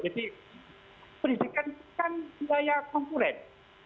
jadi pendidikan itu kan wilayah konkuren